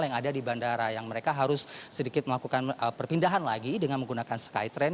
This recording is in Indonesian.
yang ada di bandara yang mereka harus sedikit melakukan perpindahan lagi dengan menggunakan skytrain